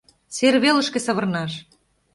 — Сер велышке савырнаш!